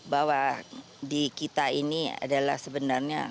bahwa di kita ini adalah sebenarnya